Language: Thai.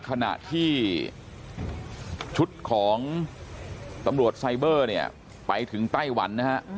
ขณะที่ชุดของตำรวจไซเบอร์ไปถึงไต้วัน